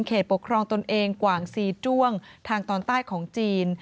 ปกครองตนเองกว่างซีจ้วงทางตอนใต้ของจีน